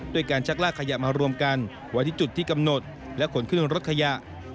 ด้วยการชักลากขยะมารวมกันไว้ที่จุดที่กำหนดและขนขึ้นรถขยะ